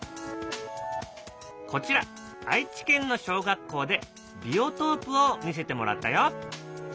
こちら愛知県の小学校でビオトープを見せてもらったよ。